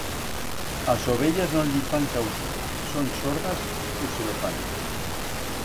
As ovellas no li fan causo, son xordas u se lo fan.